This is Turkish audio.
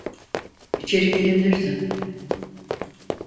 İçeri gelebilirsin.